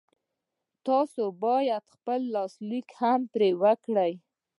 تاسې بايد خپل لاسليک هم پرې وکړئ.